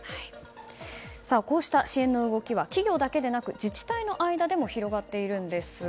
こうした支援の動きは企業だけでなく自治体の間でも広がっているんです。